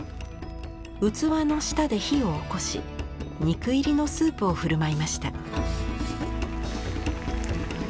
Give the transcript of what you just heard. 器の下で火を起こし肉入りのスープを振る舞いました。